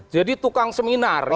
jadi tukang seminar